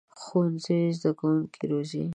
ښوونځی زده کوونکي روزي